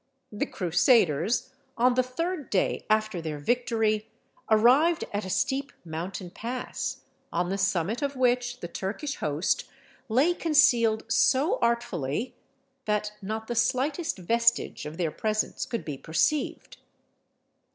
The Crusaders, on the third day after their victory, arrived at a steep mountain pass, on the summit of which the Turkish host lay concealed so artfully, that not the slightest vestige of their presence could be perceived.